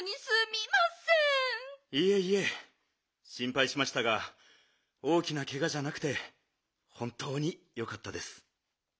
いえいえしんぱいしましたが大きなケガじゃなくてほんとうによかったです。